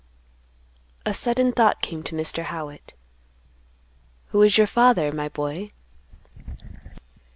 A sudden thought came to Mr. Howitt. "Who is your father, my boy?"